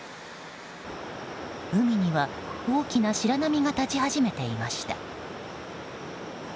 海には大きな白波が立ち始めていました。